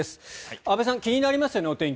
安部さん、気になりますよねお天気。